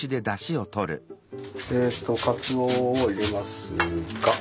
えっとかつおを入れますか。